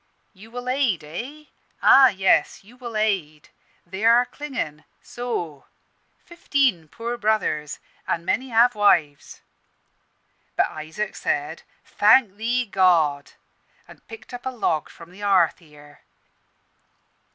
'You will aid, eh? Ah, yes, you will aid. They are clingin' so fifteen poor brothers, and many have wives.' But Isaac said, 'Thank Thee, God,' and picked up a log from the hearth here.